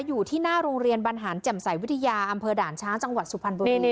อยู่ที่หน้าโรงเรียนบรรหารแจ่มใสวิทยาอำเภอด่านช้างจังหวัดสุพรรณบุรี